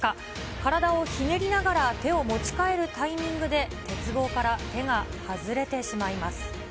体をひねりながら手を持ち替えるタイミングで、鉄棒から手が外れてしまいます。